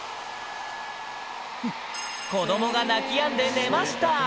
子どもが泣きやんで寝ました。